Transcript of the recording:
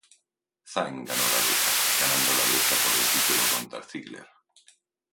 Zayn ganó la lucha, ganando la lucha por el título contra Ziggler.